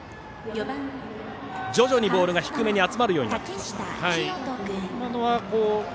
徐々にボールが低めに集まるようになってきました。